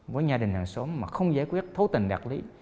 với nhà đình hàng xóm mà không giải quyết thấu tình đặc lý